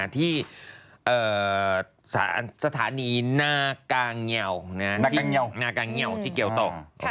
ที่สถานีหน้ากางเงียวที่เกียวโต